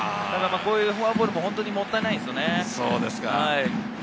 こういうフォアボールも本当にもったいないですね。